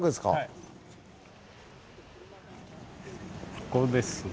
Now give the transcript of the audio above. ここですね。